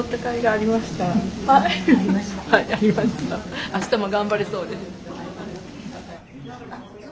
あしたも頑張れそうです。